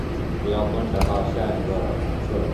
只要观察到下一个量测。